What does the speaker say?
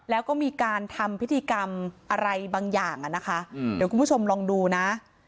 แล้วก็มีการทำพิธีกรรมอะไรบางอย่างอ่ะนะคะเดี๋ยวคุณผู้ชมลองดูนะ